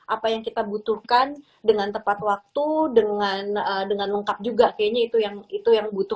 apa yang kita butuhkan dengan tepat waktu dengan lengkap juga kayaknya itu yang butuh